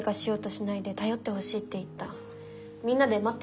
みんなで待ってるって。